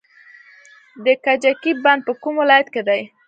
د کجکي بند په کوم ولایت کې دی؟